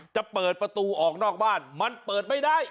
จะเปิดประตูออกนอกบ้านมันเปิดไม่ได้